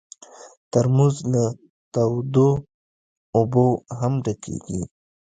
ترموز له تودو اوبو هم ډکېږي.